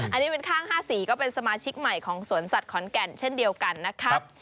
อันนี้เป็นข้าง๕๔ก็เป็นสมาชิกใหม่ของสวนสัตว์ขอนแก่นเช่นเดียวกันนะครับ